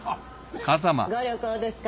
ご旅行ですか？